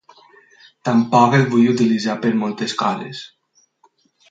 Tampoc el vull utilitzar per moltes coses.